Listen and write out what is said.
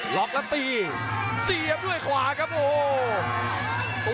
ล็อกแล้วตีเสียบด้วยขวาครับโอ้โห